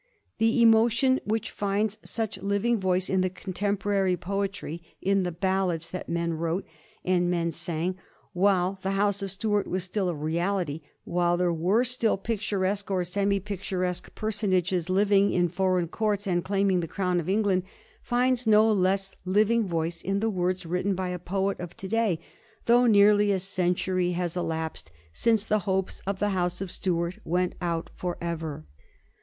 The emotion which finds such living voice in the contemporary poetry, in the ballads that men wrote and men sang, while the House of Stuart was still a reality, while there were still picturesque or semi picturesque personages living in for eign courts and claiming the crown of England, finds no less living voice in the words written by a poet of to day, though nearly a century has elapsed since the hopes of the House of Stuart went out forever.